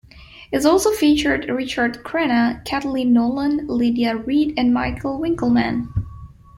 It also featured Richard Crenna, Kathleen Nolan, Lydia Reed, and Michael Winkelman.